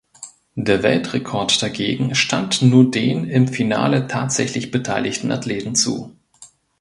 Der Weltrekord dagegen stand nur den im Finale tatsächlich beteiligten Athleten zu.